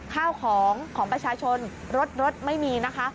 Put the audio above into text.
ข้าวของของประชาชนรถรถไม่มีนะคะ